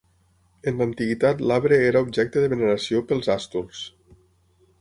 En l'antiguitat l'arbre era objecte de veneració pels àsturs.